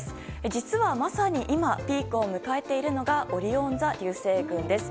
実はまさに今ピークを迎えているのがオリオン座流星群です。